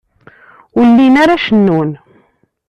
Ur llin ara cennun.